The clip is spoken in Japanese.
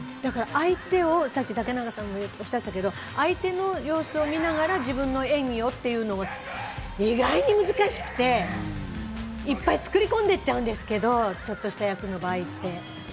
相手を、さっき竹中さんがおっしゃったけど、相手の様子を見ながら、自分の演技をっていうのが意外に難しくて、いっぱい作り込んでいっちゃうんですけど、ちょっとした役の場合って。